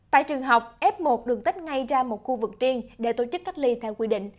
tại trường học f một được tách ngay ra một khu vực riêng để tổ chức cách ly theo quy định